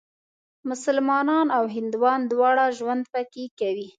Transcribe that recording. مسلمانان او هندوان دواړه ژوند پکې کوي.